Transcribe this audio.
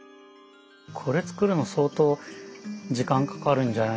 これ作るの相当時間かかるんじゃない？